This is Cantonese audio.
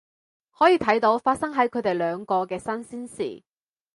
可以睇到發生喺佢哋兩個嘅新鮮事